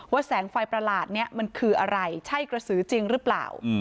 แสงไฟประหลาดนี้มันคืออะไรใช่กระสือจริงหรือเปล่า